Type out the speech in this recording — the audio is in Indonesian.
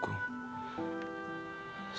aku gak boleh memperumit masalah hidupku